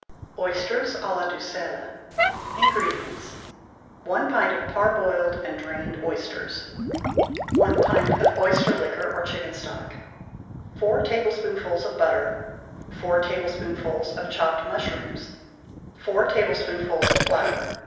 =Oysters à la D'Uxelles.= INGREDIENTS. 1 pint of parboiled and drained oysters. 1 pint of oyster liquor or chicken stock. 4 tablespoonfuls of butter. 4 tablespoonfuls of chopped mushrooms. 4 tablespoonfuls of flour.